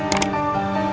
pak kitapi sudah ngintip